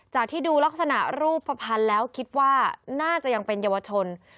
ที่ดูลักษณะรูปภัณฑ์แล้วคิดว่าน่าจะยังเป็นเยาวชน